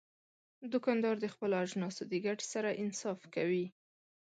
دوکاندار د خپلو اجناسو د ګټې سره انصاف کوي.